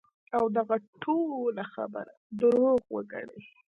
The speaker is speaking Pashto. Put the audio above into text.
او دغه ټوله خبره دروغ وګڼی -